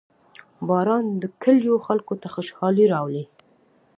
• باران د کلیو خلکو ته خوشحالي راوړي.